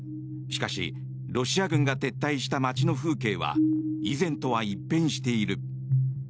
しかし、ロシア軍が撤退した街の風景は以前とは一変している。